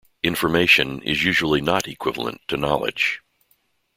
"Information" is usually not equivalent to "knowledge".